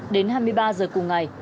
đến hai mươi ba h cùng ngày